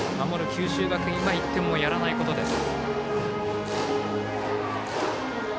九州学院は１点をやらないことです。